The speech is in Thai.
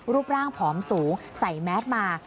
รูปร่างผอมสูงใส่แมสมา